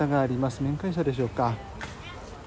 面会者でしょうか。